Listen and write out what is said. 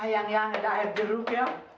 kalau ada air jeruk